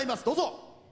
どうぞ。